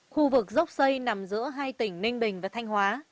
khu vực dốc xây nằm giữa hai tỉnh ninh bình và thanh hóa